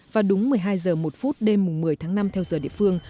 vào đúng một mươi hai h một đêm một mươi tháng năm theo giờ địa phương